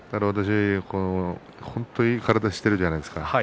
本当に若隆景はいい体をしているじゃないですか。